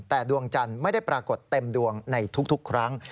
แต่ดวงจันทร์ไม่ได้ปรากฏเต็มดวงในทุกครั้ง